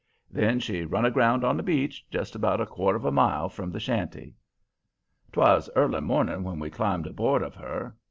Then she run aground on the beach just about a quarter of a mile from the shanty. "'Twas early morning when we climbed aboard of her.